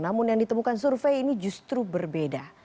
namun yang ditemukan survei ini justru berbeda